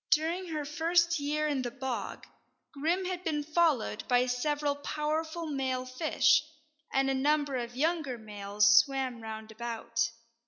During her first year in the bog, Grim had been followed by several powerful male fish, and a number of younger males swam round about.